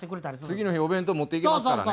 次の日お弁当持っていけますからね。